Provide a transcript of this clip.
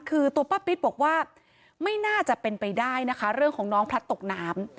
คือตัวป้าปิ๊ดบอกว่าไม่น่าจะเป็นไปได้นะคะเรื่องของน้องพลัดตกน้ำ